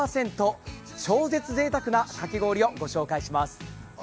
超絶ぜいたくなかき氷を紹介します。